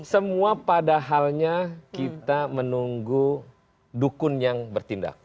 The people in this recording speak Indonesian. semua padahalnya kita menunggu dukun yang bertindak